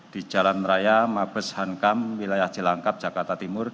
di jalan raya mabes hankam wilayah jelangkap jakarta timur